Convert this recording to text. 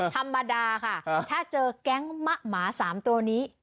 ธรรมดาค่ะถ้าเจอแก๊งมะหมา๓ตัวนี้